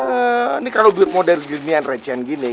ini kalo buat modern jernian recehan gini